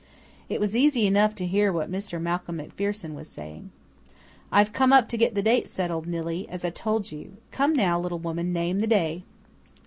It was easy enough to hear what Mr. Malcolm MacPherson was saying. "I've come up to get the date settled, Nillie, as I told you. Come now, little woman, name the day."